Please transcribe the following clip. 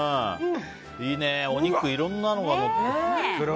いいね、お肉いろんなのがのって。